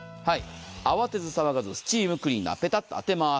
慌てず騒がず、スチームクリーナーをペタッと当てます。